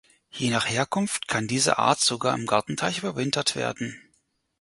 Je nach Herkunft kann diese Art sogar im Gartenteich überwintert werden.